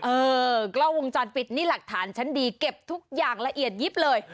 เออกล้องวงจรปิดนี่หลักฐานชั้นดีเก็บทุกอย่างละเอียดยิบเลย